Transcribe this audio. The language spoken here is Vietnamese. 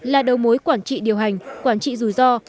là đầu mối quản trị điều hành quản trị rủi ro